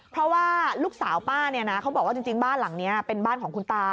เพราะว่าลูกสาวป้าเนี่ยนะเขาบอกว่าจริงบ้านหลังนี้เป็นบ้านของคุณตา